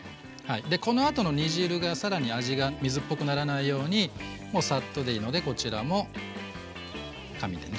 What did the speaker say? でこのあとの煮汁が更に味が水っぽくならないようにもうサッとでいいのでこちらも紙でね